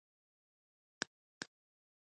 کچالو د مخ نرموالي ته ګټه لري.